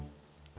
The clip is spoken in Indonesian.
iya kan rok